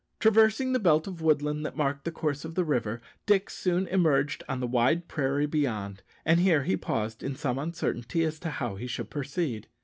Traversing the belt of woodland that marked the course of the river, Dick soon emerged on the wide prairie beyond, and here he paused in some uncertainty as to how he should proceed.